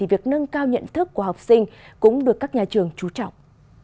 việc nâng cao nhận thức của học sinh cũng được các nhà trường trú trọng